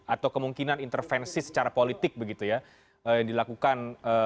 atau kemungkinan intervensi secara politik begitu ya yang dilakukan